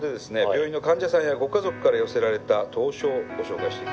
病院の患者さんやご家族から寄せられた投書をご紹介していきましょう。